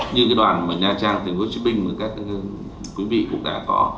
như cái đoàn mà nha trang tp hcm và các quý vị cũng đã có